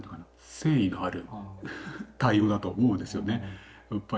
誠意のある対応だと思うんですよねやっぱり。